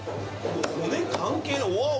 骨関係ないわあ